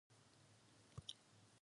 It is now in the Hamburger Kunsthalle.